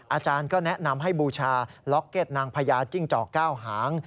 อาจารย์ก็แนะนำให้บูชาล็อกเก็ตนางพญาจิ้งจอก๙หาง